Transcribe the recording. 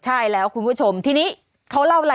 ใช่แล้วคุณผู้ชมทีนี้เขาเล่ารายละเอียดด้วยนะบวกว่า